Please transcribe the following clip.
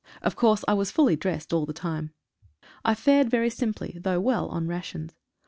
Of course I was fully dressed al' the time. I fared very simply, though well, on rations.